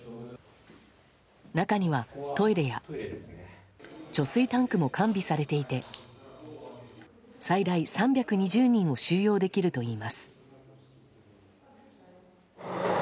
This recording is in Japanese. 中にはトイレや貯水タンクも完備されていて最大３２０人を収容できるといいます。